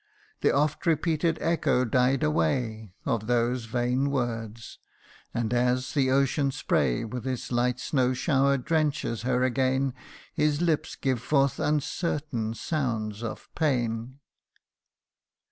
The oft repeated echo died away Of those vain words ; and as the ocean spray With its light snow shower drenches her again, His lip gives forth uncertain sounds of pain.